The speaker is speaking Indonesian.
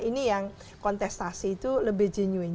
ini yang kontestasi itu lebih genuine